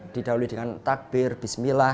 didahului dengan takbir bismillah